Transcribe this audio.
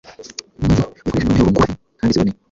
maze uyakoreshe neza mu nteruro ngufi kandi ziboneye.